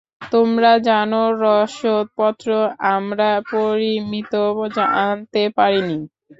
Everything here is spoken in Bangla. তোমরা জান, রসদ পত্র আমরা পরিমিত আনতে পারিনি।